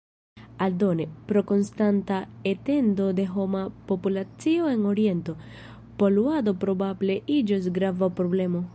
Aldone, pro konstanta etendo de homa populacio en Oriento, poluado probable iĝos grava problemo.